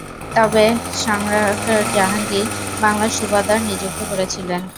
তাকে সম্রাট জাহাঙ্গীর বাংলার সুবাহদার নিযুক্ত করেছিলেন।